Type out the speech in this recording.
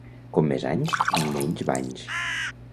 Com més anys, menys banys.